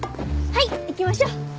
はい行きましょう。